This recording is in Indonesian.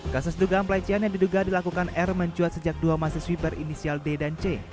kasus dugaan pelecehan yang diduga dilakukan r mencuat sejak dua mahasiswi berinisial d dan c